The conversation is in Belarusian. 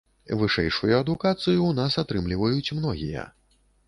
Вышэйшую адукацыю ў нас атрымліваюць многія.